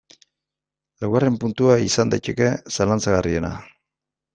Laugarren puntua izan daiteke zalantzagarriena.